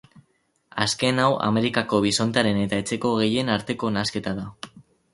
Azken hau Amerikako bisontearen eta etxeko behien arteko nahasketa da.